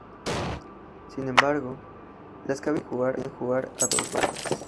Sin embargo, las cabilas podían jugar a dos bandas.